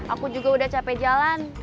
aku juga udah capek jalan